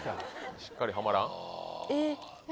しっかりはまらん？え？